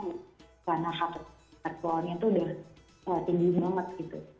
karena hak hak kelepasannya tuh udah tinggi banget gitu